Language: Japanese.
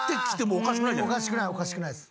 おかしくないおかしくないです。